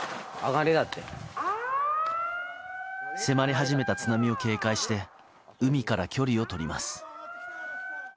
迫り始めた津波を警戒して海から距離を取ります。